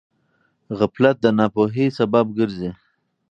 غفلت د ناپوهۍ سبب ګرځي.